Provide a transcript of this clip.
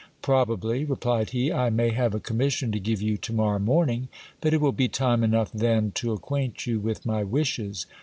Probably, replied he, I may have a commission to give you to morrow morning ; but it will be time enough then to acquaint you with my wishes.